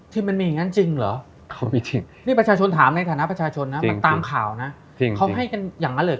ที่มันมีอย่างนั้นจริงหรอ